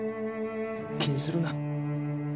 気にするな。